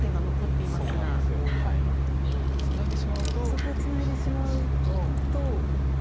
そこをツナいでしまうと。